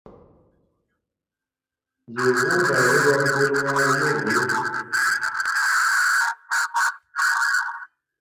Yè wooda ye ya gerua ye wee :